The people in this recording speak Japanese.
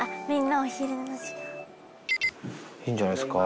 いいんじゃないですか？